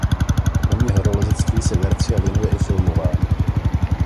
Kromě horolezectví se Garcia věnuje i filmování.